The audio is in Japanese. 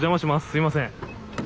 すみません。